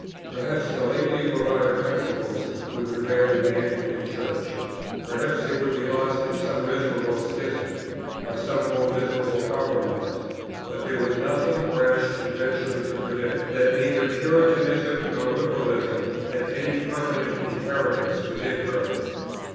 Perhaps the lately revived principles would prevail in the Anglican Church; perhaps they would be lost in some miserable schism, or some more miserable compromise; but there was nothing rash in venturing to predict that "neither Puritanism nor Liberalism had any permanent inheritance within her."